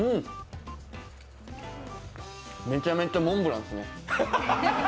めちゃめちゃモンブランっすね。